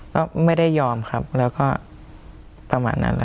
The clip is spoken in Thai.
ก็ไม่ได้ยอมครับแล้วก็ต่อมานั้นแล้ว